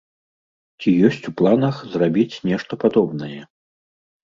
Ці ёсць у планах зрабіць нешта падобнае?